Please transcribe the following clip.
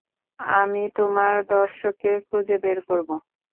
আমি তোমার ধর্ষককে খুঁজে বের করবো।